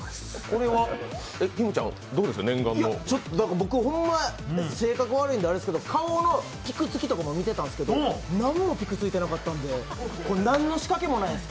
僕、ほんま性格悪いんで、あれですけど、顔のピクつきとかも見てたんですけど、何もピクついてなかったので、何の仕掛けもないです。